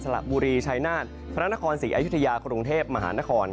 ละบุรีชัยนาฏพระนครศรีอยุธยากรุงเทพมหานคร